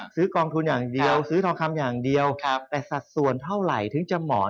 กองทุนอย่างเดียวซื้อทองคำอย่างเดียวแต่สัดส่วนเท่าไหร่ถึงจะหมอน